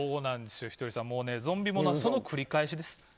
ひとりさん、ゾンビ物はその繰り返しです。